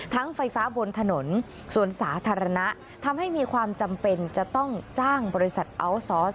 ไฟฟ้าบนถนนส่วนสาธารณะทำให้มีความจำเป็นจะต้องจ้างบริษัทอัลซอส